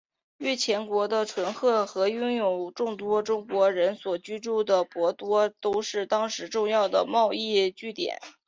越前国的敦贺和拥有众多中国人所居住的博多都是当时重要的贸易据点。